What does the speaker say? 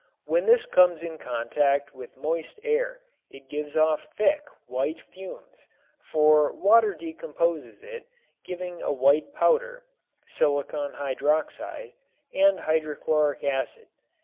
When this comes in contact with moist air it gives off thick, white fumes, for water decomposes it, giving a white powder (silicon hydroxide) and hydrochloric acid.